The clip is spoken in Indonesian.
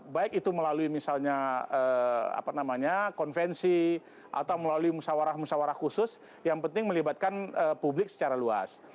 baik itu melalui misalnya konvensi atau melalui musawarah musawarah khusus yang penting melibatkan publik secara luas